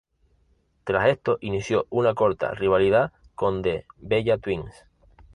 Tras esto inició una corta rivalidad con The Bella Twins.